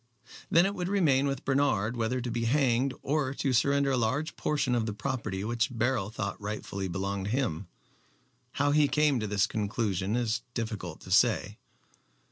Then it would remain with Bernard whether to be hanged or to surrender a large portion of the property which Beryl thought rightfully belonged to him. How he came to this conclusion it is difficult to say.